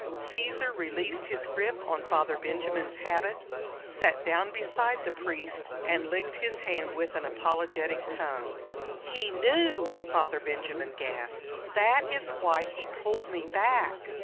Caesar released his grip on Father Benjamin's habit, sat down beside the priest, and licked his hand with an apologetic tongue. "He knew!" Father Benjamin gasped. "That is why he pulled me back!"